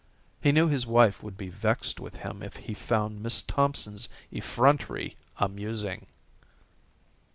He knew his wife would be vexed with him if he found Miss Thompson's effrontery amusing.